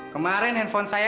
kemarin handphone saya